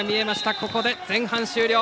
ここで前半終了。